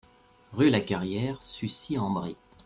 Rue Lacarrière, Sucy-en-Brie